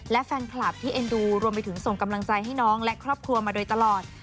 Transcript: และแฟนคลับที่เอ็นดูรวมไปถึงส่งกำลังใจให้น้องและครอบครัวมาโดยตลอด